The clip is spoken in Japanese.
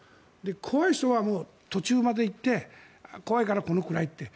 怖い人は途中まで行って怖いからこのくらいって。